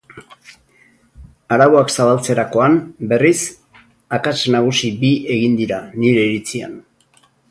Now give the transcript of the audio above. Arauak zabaltzerakoan, berriz, akats nagusi bi egin dira, nire iritzian.